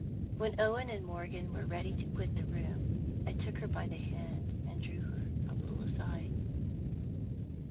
When Owen and Morgan were ready to quit the room, I took her by the hand, and drew her a little aside.